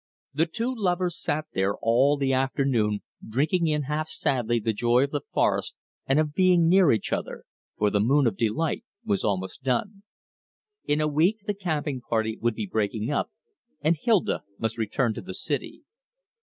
The two lovers sat there all the afternoon drinking in half sadly the joy of the forest and of being near each other, for the moon of delight was almost done. In a week the camping party would be breaking up, and Hilda must return to the city.